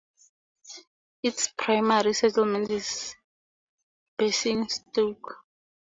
Its primary settlement is Basingstoke.